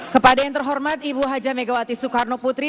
kepada yang terhormat ibu haja megawati soekarno putri